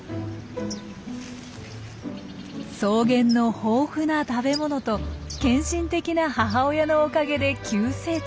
草原の豊富な食べ物と献身的な母親のおかげで急成長。